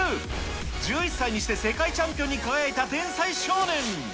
１１歳にして世界チャンピオンに輝いた天才少年。